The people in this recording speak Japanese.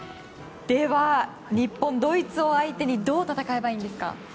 では、日本はドイツを相手にどう戦えばいいんですか。